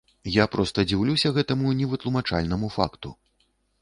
Я проста дзіўлюся гэтаму невытлумачальнаму факту.